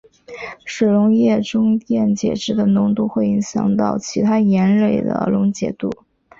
水溶液中电解质的浓度会影响到其他盐类的溶解度。